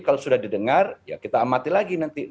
kalau sudah didengar ya kita amati lagi nanti